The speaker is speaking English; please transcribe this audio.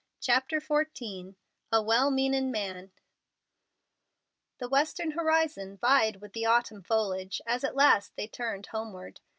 CHAPTER XIV "A WELL MEANIN' MAN" The western horizon vied with the autumn foliage as at last they turned homeward.